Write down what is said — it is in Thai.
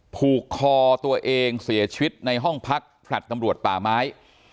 ผูกคอตัวเองเสียชีวิตในห้องพักแฟลต์ตำรวจป่าไม้